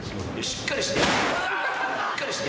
しっかりして。